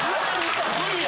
無理や。